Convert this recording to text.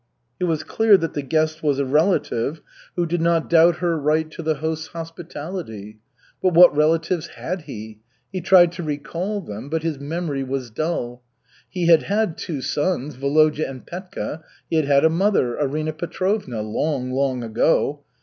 It was clear that the guest was a relative, who did not doubt her right to the host's hospitality. But what relatives had he? He tried to recall them, but his memory was dull. He had had two sons, Volodka and Petka; he had had a mother, Arina Petrovna long, long ago!